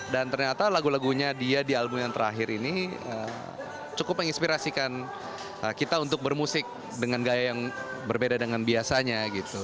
dan ternyata lagu lagunya dia di album yang terakhir ini cukup menginspirasikan kita untuk bermusik dengan gaya yang berbeda dengan biasanya gitu